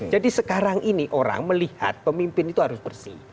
jadi sekarang ini orang melihat pemimpin itu harus bersih